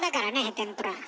天ぷら。